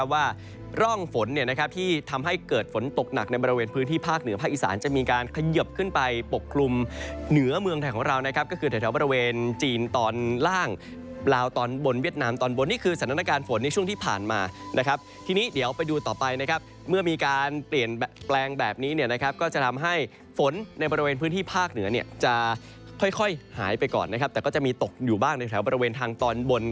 ว่าร่องฝนที่ทำให้เกิดฝนตกหนักในบริเวณพื้นที่ภาคเหนือภาคอีสานจะมีการขยบขึ้นไปปกกลุ่มเหนือเมืองแถวของเรานะครับก็คือแถวบริเวณจีนตอนล่างลาวตอนบนเวียดนามตอนบนนี่คือสถานการณ์ฝนในช่วงที่ผ่านมานะครับทีนี้เดี๋ยวไปดูต่อไปเมื่อมีการเปลี่ยนแปลงแบบนี้ก็จะทำให้ฝนในบริเวณ